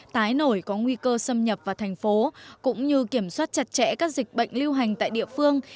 tái nổi có nguy cơ xâm nhập vào thành phố cũng như kiểm soát chặt chẽ các dịch bệnh lưu hành tại địa phương